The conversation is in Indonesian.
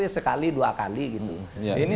sekali dua kali ini